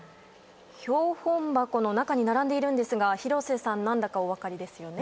標本箱の中に並んでいるんですが廣瀬さん何だかお分かりですよね？